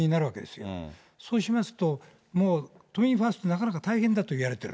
そうしますと、もう、都民ファースト、なかなか大変だといわれている。